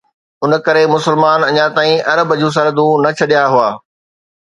ان ڪري مسلمان اڃا تائين عرب جون سرحدون نه ڇڏيا هئا.